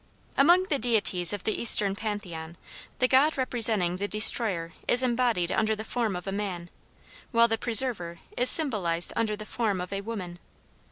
Among the deities of the Eastern Pantheon, the god representing the destroyer is embodied under the form of a man, while the preserver is symbolized under the form of a woman.